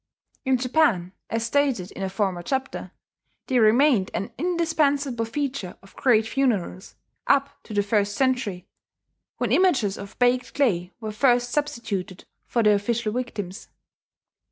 In Japan, as stated in a former chapter, they remained an indispensable feature of great funerals, up to the first century, when images of baked clay were first substituted for the official victims.